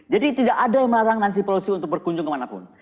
jadi tidak ada yang melarang nancy pelosi untuk berkunjung kemana pun